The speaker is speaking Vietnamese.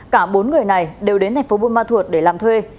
cả bốn người này đều đến tp buôn ma thuột để làm thuê